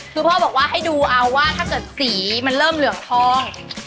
คือพ่อบอกว่าให้ดูเอาว่าถ้าเกิดสีมันเริ่มเหลืองทอง